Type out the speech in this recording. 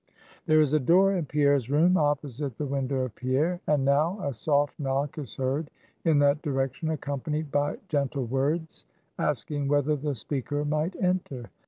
There is a door in Pierre's room opposite the window of Pierre: and now a soft knock is heard in that direction, accompanied by gentle words, asking whether the speaker might enter.